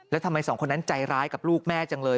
แล้วทำไมสองคนนั้นใจร้ายกับลูกแม่จังเลย